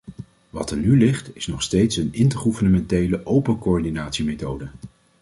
Wat er nu ligt, is nog steeds een intergouvernementele, open coördinatiemethode.